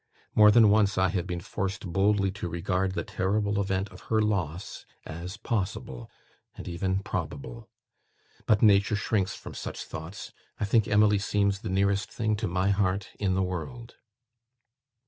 More than once, I have been forced boldly to regard the terrible event of her loss as possible, and even probable. But nature shrinks from such thoughts. I think Emily seems the nearest thing to my heart in the world."